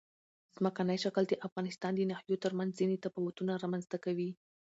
ځمکنی شکل د افغانستان د ناحیو ترمنځ ځینې تفاوتونه رامنځ ته کوي.